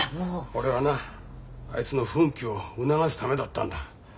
俺はなあいつの奮起を促すためだったんだ。